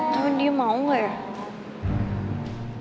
kakak mau ketemu